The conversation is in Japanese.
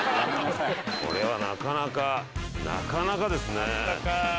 これはなかなかなかなかですね。